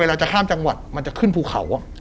เราจะข้ามจังหวัดมันจะขึ้นภูเขา